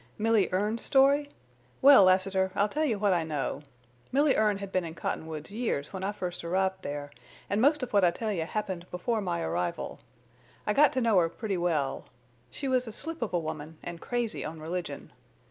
"Milly Erne's story? Well, Lassiter, I'll tell you what I know. Milly Erne had been in Cottonwoods years when I first arrived there, and most of what I tell you happened before my arrival. I got to know her pretty well. She was a slip of a woman, and crazy on religion.